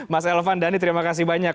mas elvan dhani terima kasih banyak